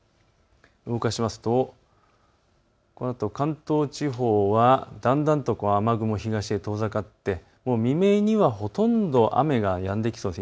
動かすとこのあと関東地方はだんだんと雨雲が東へ遠ざかって未明にはほとんど雨がやんできそうです。